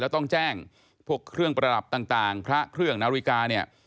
แล้วต้องแจ้งพวกเครื่องประดับต่างพระเครื่องนาฬิกาเนี่ย